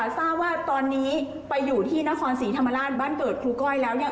ทราบว่าตอนนี้ไปอยู่ที่นครศรีธรรมราชบ้านเกิดครูก้อยแล้วเนี่ย